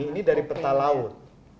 ini dari peta laut